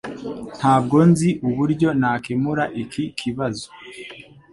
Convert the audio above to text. Ntabwo nzi uburyo nakemura iki kibazo.